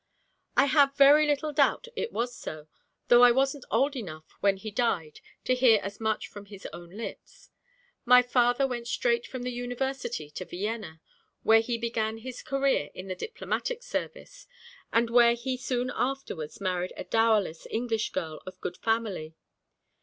'I have very little doubt it was so though I wasn't old enough when he died to hear as much from his own lips. My father went straight from the University to Vienna, where he began his career in the diplomatic service, and where he soon afterwards married a dowerless English girl of good family.